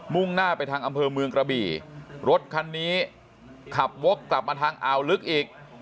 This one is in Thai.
่งหน้าไปทางอำเภอเมืองกระบี่รถคันนี้ขับวกกลับมาทางอ่าวลึกอีก